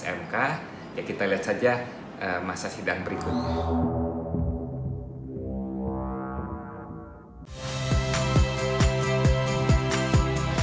dan saya juga berharap dengan anda yang menonton